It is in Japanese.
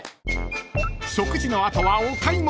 ［食事の後はお買い物］